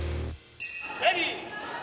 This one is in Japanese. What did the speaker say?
レディー。